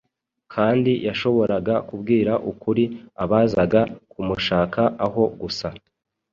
kandi yashoboraga kubwira ukuri abazaga kumushaka aho gusa.